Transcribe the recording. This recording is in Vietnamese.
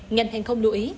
ngành hàng không lưu ý